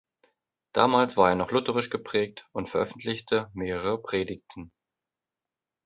Damals war er noch lutherisch geprägt und veröffentlichte mehrere Predigten.